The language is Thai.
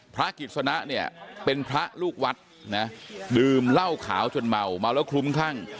กิจสนะเนี่ยเป็นพระลูกวัดนะดื่มเหล้าขาวจนเมาเมาแล้วคลุ้มคลั่ง